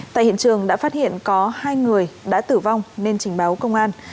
tại hiện trường đã phát hiện có hai người đã tử vong nên trình báo công an